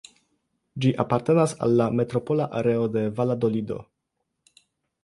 Ĝi apartenas al la Metropola Areo de Valadolido.